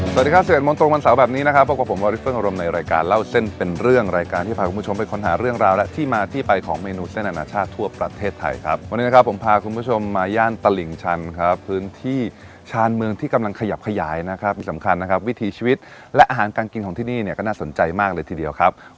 สวัสดีค่ะสวัสดีค่ะสวัสดีค่ะสวัสดีค่ะสวัสดีค่ะสวัสดีค่ะสวัสดีค่ะสวัสดีค่ะสวัสดีค่ะสวัสดีค่ะสวัสดีค่ะสวัสดีค่ะสวัสดีค่ะสวัสดีค่ะสวัสดีค่ะสวัสดีค่ะสวัสดีค่ะสวัสดีค่ะสวัสดีค่ะสวัสดีค่ะสวัสดีค่ะสวัสดีค่ะสวั